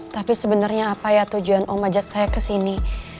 tapi sebenernya apa ya tujuan om ajak saya kesini